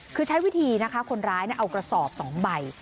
คือใช้วิธีนะคะคนร้ายเอากระสอบ๒ใบ